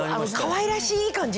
かわいらしい感じ。